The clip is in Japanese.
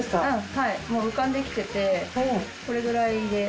はいもう浮かんできててこれくらいで。